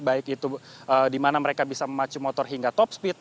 baik itu di mana mereka bisa memacu motor hingga top speed